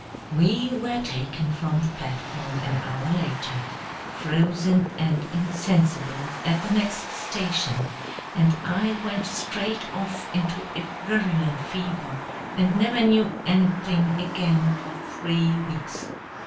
We were taken from the platform an hour later, frozen and insensible, at the next station, and I went straight off into a virulent fever, and never knew anything again for three weeks.